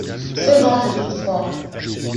Ce dont je doute fort!